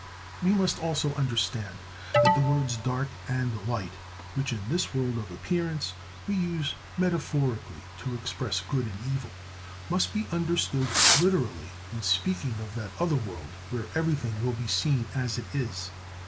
We must also understand, that the words "dark" and "light"—which, in this world of appearance, we use metaphorically to express good and evil—must be understood literally when speaking of that other world where everything will be seen as it is.